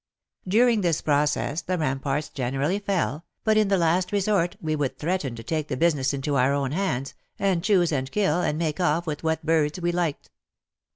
During this process the ramparts generally fell, but in the last resort we would threaten to take the business into our own hands, and choose and kill and make off with what birds we liked.